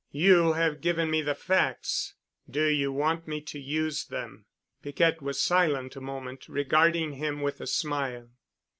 You have given me the facts. Do you want me to use them?" Piquette was silent a moment, regarding him with a smile.